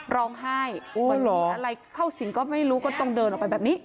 ร้องไห้อะไรเข้าสิ่งก็ไม่รู้ก็ต้องเดินออกไปแบบนี้